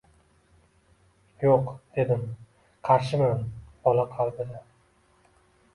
Yo’q,-dedim, — qarshiman, bola qalbida